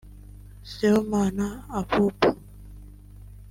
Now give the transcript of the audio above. Sibomana Abouba